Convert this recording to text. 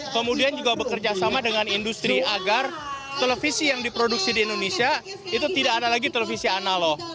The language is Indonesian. kemudian juga bekerja sama dengan industri agar televisi yang diproduksi di indonesia itu tidak ada lagi televisi analog